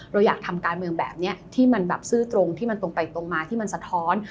เราอยากทำการเมืองแบบนี้ที่มันแบบซื่อตรงที่มันตรงไปตรงมาที่มันสะท้อน